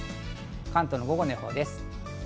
関東の午後の予報です。